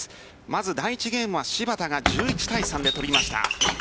まず、第１ゲームは芝田が１１対３で取りました。